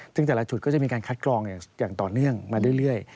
ซึ่งแต่ละจุดก็จะมีการคัดกรองอย่างต่อเนื่องมาเรื่อย